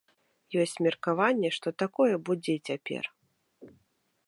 Ёсць меркаванне, што такое будзе і цяпер.